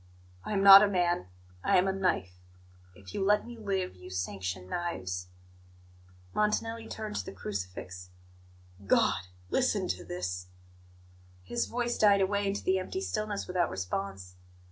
I am not a man; I am a knife. If you let me live, you sanction knives." Montanelli turned to the crucifix. "God! Listen to this " His voice died away into the empty stillness without response.